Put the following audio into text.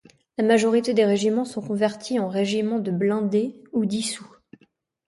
La majorité des régiments sont convertis en régiments de blindés ou dissous.